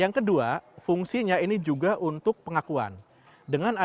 yang kedua fungsinya ini juga untuk pengakuan dengan adagambar ini pak wuhidar anda bisa lihat